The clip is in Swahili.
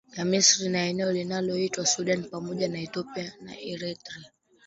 ya Misri na eneo linaloitwa leo Sudan pamoja na Ethiopia na Eritrea